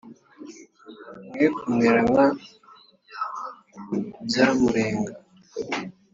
mwe kumera nka byamurenga